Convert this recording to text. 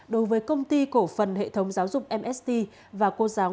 đối với công ty cổ phần hệ thống giáo dục mst và cô giáo